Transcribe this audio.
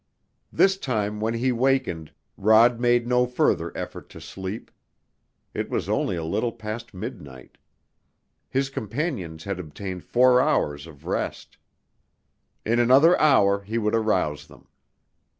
This time when he wakened Rod made no further effort to sleep. It was only a little past midnight. His companions had obtained four hours of rest. In another hour he would arouse them.